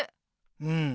うん。